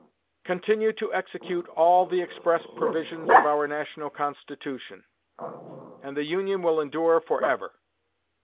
Continue to execute all the express provisions of our National Constitution, and the Union will endure forever....